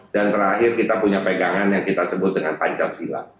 dan terakhir kita punya pegangan yang kita sebut dengan pancasila